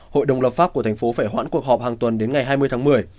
hội đồng lập pháp của thành phố phải hoãn cuộc họp hàng tuần đến ngày hai mươi tháng một mươi